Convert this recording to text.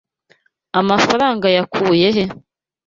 Amafaranga yakuye he?